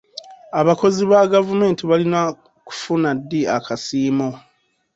Abakozi ba gavumenti balina kufuna ddi akasiimo?